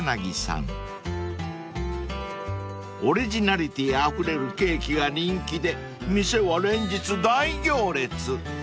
［オリジナリティーあふれるケーキが人気で店は連日大行列］